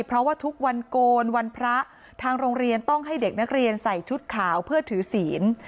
เพราะว่าทุกวันโกนวันพระทางโรงเรียนต้องให้เด็กนักเรียนใส่ชุดขาวเพื่อถือศีล